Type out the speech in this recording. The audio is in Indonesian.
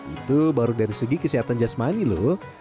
itu baru dari segi kesehatan jasmani lho